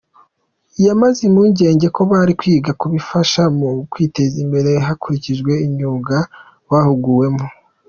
Yabamaze impungenge ko bari kwiga kubizabafasha mu kwiteza imbere hakurijwe imyuga bahuguwemo.